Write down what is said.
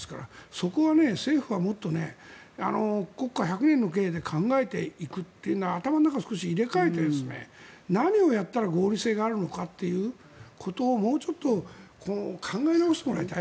そこは政府はもっと国家百年の計で考えていくっていうのは頭の中を少し入れ替えて何をやったら合理性があるのかっていうことをもうちょっと考え直してもらいたい。